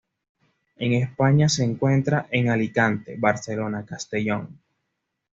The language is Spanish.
En España se encuentra en Alicante, Barcelona, Castellón.